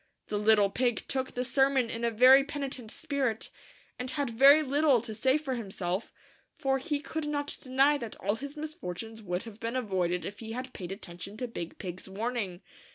The little pig took the sermon in a very peni tent spirit, and had very little to say for himself, for he could not deny that all his misfor tunes would have been avoided if he had paid attention to Big Pig's warning.